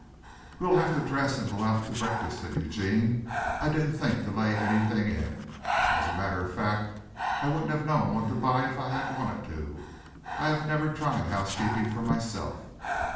"We'll have to dress and go out to breakfast," said Eugene. "I didn't think to lay anything in. As a matter of fact I wouldn't have known what to buy if I had wanted to. I never tried housekeeping for myself."